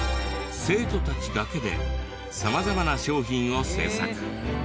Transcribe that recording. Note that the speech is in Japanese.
生徒たちだけで様々な商品を制作。